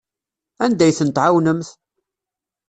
Anda ay ten-tɛawnemt?